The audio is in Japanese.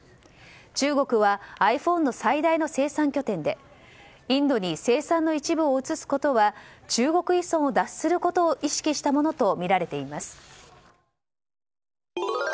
中国はｉＰｈｏｎｅの最大の生産拠点でインドに生産の一部を移すことは中国依存を脱することを意識したものとみられています。